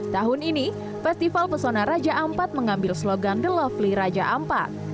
tahun ini festival pesona raja ampat mengambil slogan the lovely raja ampat